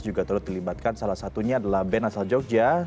juga terlibatkan salah satunya adalah band asal jogja